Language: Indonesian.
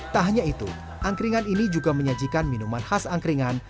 tak hanya itu angkringan ini juga menyajikan minuman khas angkringan